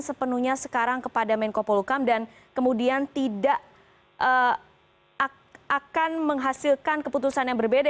sepenuhnya sekarang kepada menko polukam dan kemudian tidak akan menghasilkan keputusan yang berbeda